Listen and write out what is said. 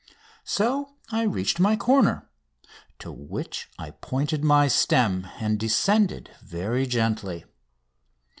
So I reached my corner, to which I pointed my stem, and descended very gently.